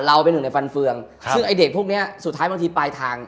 เป็นหนึ่งในฟันเฟืองซึ่งไอ้เด็กพวกเนี้ยสุดท้ายบางทีปลายทาง